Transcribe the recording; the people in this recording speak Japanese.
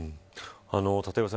立岩さん